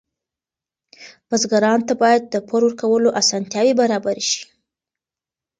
بزګرانو ته باید د پور ورکولو اسانتیاوې برابرې شي.